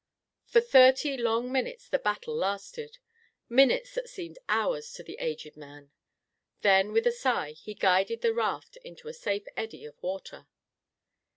For thirty long minutes the battle lasted; minutes that seemed hours to the aged man. Then with a sigh he guided the raft into a safe eddy of water.